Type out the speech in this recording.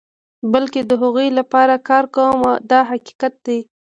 بلکې د هغو لپاره کار کوم دا حقیقت دی.